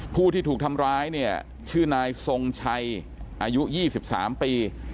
ผู้ที่ถูกทำร้ายเนี่ยชื่อนายทรงชัยอายุ๒๓ปี